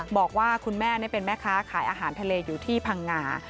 บอกว่าคุณแม่เป็นแม่ค้าขายอาหารทะเลอยู่ที่พังงา